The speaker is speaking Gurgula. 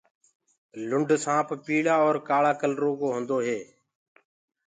لُنڊ سآنپ پيݪآ اور ڪآۯآ ڪلرو ڪو هوندو هي۔